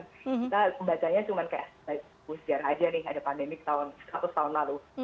kita membacanya cuma kayak ya saya sejarah aja nih ada pandemik seratus tahun lalu